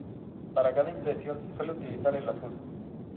Para cada impresión se suele utilizar el azul.